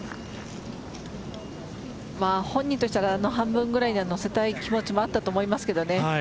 本人としたらあの半分ぐらいにのせたい気持ちもあったと思います。